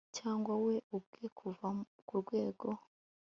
cyangwa we ubwe kuva ku rwego